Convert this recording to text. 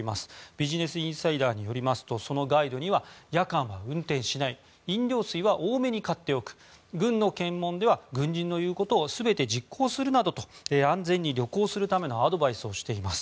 ビジネスインサイダーによりますとそのガイドには夜間は運転しない飲料水は多めに買っておく軍の検問では軍人の言うことを全て実行するなどと安全に旅行するためのアドバイスをしています。